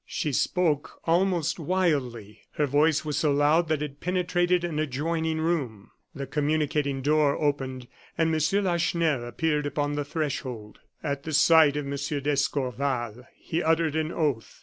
She spoke almost wildly. Her voice was so loud that it penetrated an adjoining room. The communicating door opened and M. Lacheneur appeared upon the threshold. At the sight of M. d'Escorval he uttered an oath.